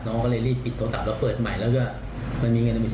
น้องก็เลยรีบปิดโทรศัพท์แล้วเปิดใหม่